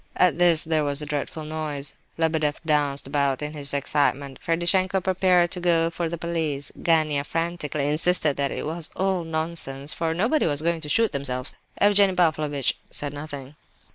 At this there was a dreadful noise; Lebedeff danced about in his excitement; Ferdishenko prepared to go for the police; Gania frantically insisted that it was all nonsense, "for nobody was going to shoot themselves." Evgenie Pavlovitch said nothing.